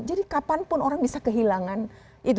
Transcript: jadi kapanpun orang bisa kehilangan itu